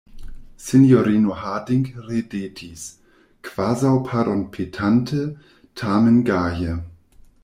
Sinjorino Harding ridetis, kvazaŭ pardonpetante, tamen gaje: